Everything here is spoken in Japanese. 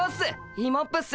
イモップっす。